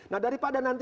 nah daripada nanti